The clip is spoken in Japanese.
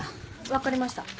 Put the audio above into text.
分かりました。